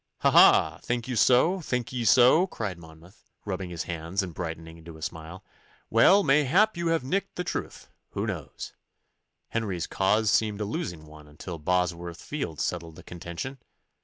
'Ha, ha! Think ye so? think ye so!' cried Monmouth, rubbing his hands and brightening into a smile. 'Well, mayhap you have nicked the truth. Who knows? Henry's cause seemed a losing one until Bosworth Field settled the contention.